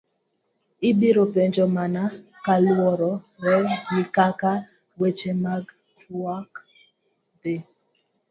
Ibiro penjo mana kaluwore gi kaka weche mag tuak dhi.